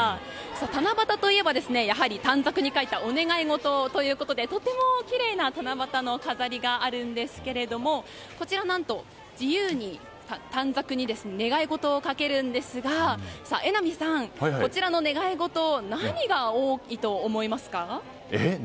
七夕といえばやはり短冊に書いたお願い事ということでとてもきれいな七夕の飾りがあるんですけどこちら、何と自由に短冊に願い事をかけるんですが榎並さん、こちらの願い事何が多いと思いますか？